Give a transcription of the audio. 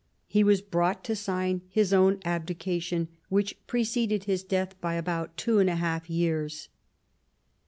He was brought to sign his own abdication, which preceded his death by about two and a half years.